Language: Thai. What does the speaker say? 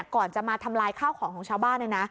ก่อนจะมาทำลายข้าวของของชาวบ้านเลยนะ